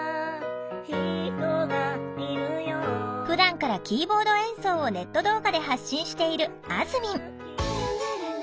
ふだんからキーボード演奏をネット動画で発信しているあずみん。